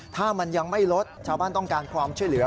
ถ้ามันยังไม่ลดชาวบ้านต้องการความช่วยเหลือ